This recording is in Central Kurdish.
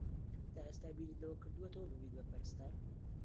تا ئێستا بیرت لەوە کردووەتەوە ببیت بە پەرستار؟